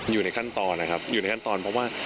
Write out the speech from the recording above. อยู่ในขั้นตอนนะครับอยู่ในขั้นตอนเพราะว่า